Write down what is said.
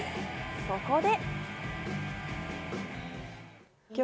そこで。